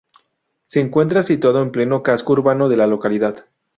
Se encuentra situado en pleno casco urbano de la localidad.